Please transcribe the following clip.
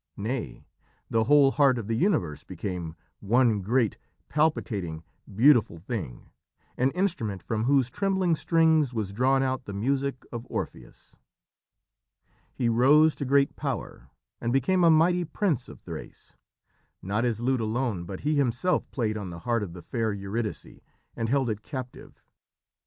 Nay, the whole heart of the universe became one great, palpitating, beautiful thing, an instrument from whose trembling strings was drawn out the music of Orpheus. He rose to great power, and became a mighty prince of Thrace. Not his lute alone, but he himself played on the heart of the fair Eurydice and held it captive.